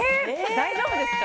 大丈夫ですか？